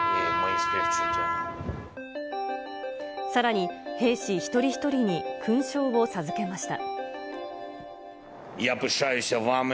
さらに、兵士一人一人に勲章を授けました。